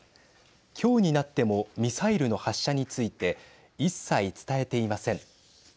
今日になってもミサイルの発射について一切伝えていません。